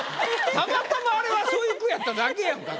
たまたまあれはそういう句やっただけやんか。